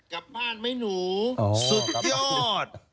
กลับบ้านไหมหนูสุดยอด